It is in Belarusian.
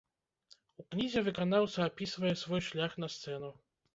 У кнізе выканаўца апісвае свой шлях на сцэну.